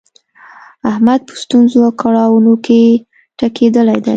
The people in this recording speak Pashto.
احمد په ستونزو او کړاونو کې ټکېدلی دی.